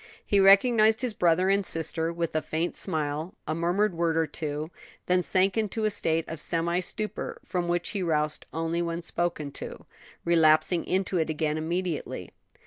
He recognized his brother and sister with a faint smile, a murmured word or two, then sank into a state of semi stupor, from which he roused only when spoken to, relapsing into it again immediately.